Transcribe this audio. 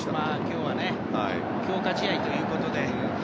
今日は強化試合ということで。